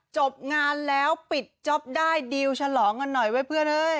จบงานแล้วปิดจ๊อปได้ดิวฉลองกันหน่อยไว้เพื่อนเฮ้ย